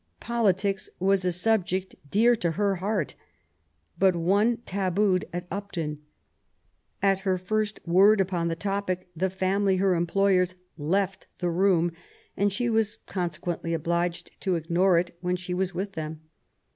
Politics was a subject dear to her heart, but one tabooed at Upton. At her first word upon the topic the family, her employers, left the room, and she was consequently obliged to ignore it when she was with them.